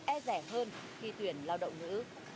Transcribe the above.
e rẻ hơn khi tuyển lao động nữ